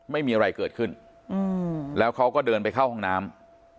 ไม่มีอะไรเกิดขึ้นแล้วเขาก็เดินไปเข้าห้องน้ำ